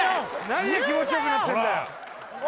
何で気持ちよくなってんだよこら